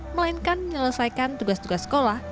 melainkan menyelesaikan tugas tugas sekolah